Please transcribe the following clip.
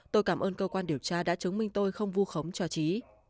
tôi cảm ơn cơ quan điều tra đã chứng minh tôi không vu khống cho trí